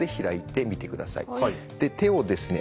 手をですね